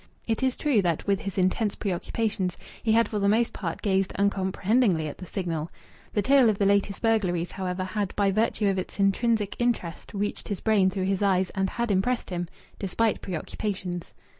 It is true that, with his intense preoccupations, he had for the most part gazed uncomprehendingly at the Signal. The tale of the latest burglaries, however, had by virtue of its intrinsic interest reached his brain through his eyes, and had impressed him, despite preoccupations.